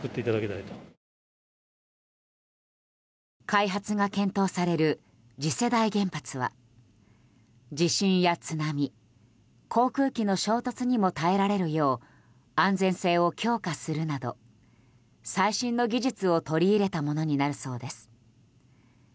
開発が検討される次世代原発は地震や津波航空機の衝突にも耐えられるよう安全性を強化するなど最新の技術を取り入れたものになるそうです。